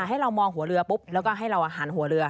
ให้เรามองหัวเรือปุ๊บแล้วก็ให้เราหันหัวเรือ